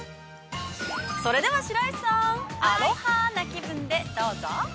◆それでは白石さん、アロハな気分でどうぞ。